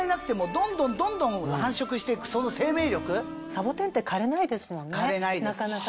サボテンって枯れないですもんねなかなかね。